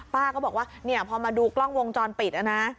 ป้าก็บอกว่าเนี่ยพอมาดูกล้องวงจรปิดนะ